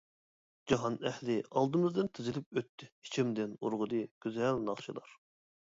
جاھان ئەھلى ئالدىمىزدىن تىزىلىپ ئۆتتى ئىچىمدىن ئۇرغۇدى گۈزەل ناخشىلار.